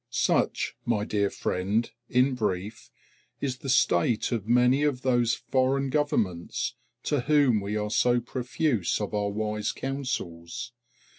Such, my dear friend, in brief, is the state of many of those foreign governments to whom we are so profuse of our wise counsels.